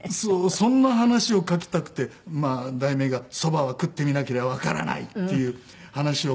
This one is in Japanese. そんな話を書きたくて題名が『蕎麦は食ってみなけりゃ分からない』っていう話を。